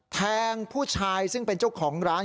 แทงผู้ชายซึ่งเป็นเจ้าของร้าน